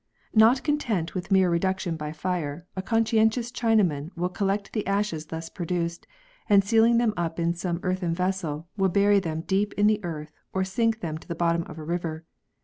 Not con tent with mere reduction by fire, a conscientious Chinaman will collect the ashes thus produced, and sealing them up in some earthen vessel, will bury them deep in the earth or sink them to the bottom of a river.